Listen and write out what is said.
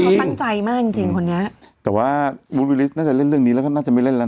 เขาตั้งใจมากจริงจริงคนนี้แต่ว่าวูดวิริสน่าจะเล่นเรื่องนี้แล้วก็น่าจะไม่เล่นแล้ว